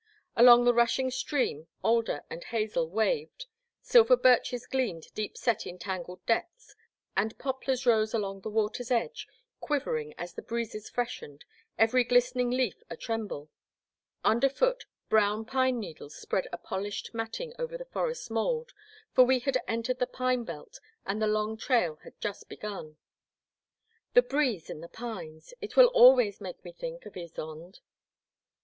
Along the rushing stream alder and hazel waved, silver birches gleamed deep set in tangled depths, and poplars rose along the water's edge, quivering as the breezes freshened, every glistening leaf a tremble. The Black Water. 171 Under foot, brown pine needles spread a polished matting over the forest mould, for we had entered the pine belt and the long trail had just begun. The breeze in the pines ! it will always make me think of Ysonde.